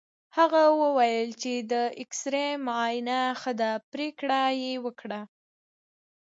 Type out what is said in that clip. هغه وویل چې د اېکسرې معاینه ښه ده، پرېکړه یې وکړه.